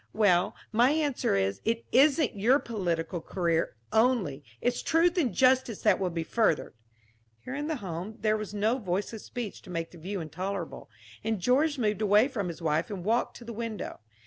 Well, my answer is, it isn't your political career, only; it's truth and justice that will be furthered." Here in the home there was no voiceless speech to make the view intolerable, and George moved away from his wife and walked to the window.